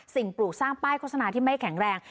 ปลูกสร้างป้ายโฆษณาที่ไม่แข็งแรง